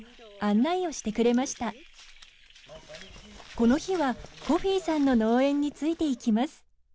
この日はコフィさんの農園についていきます。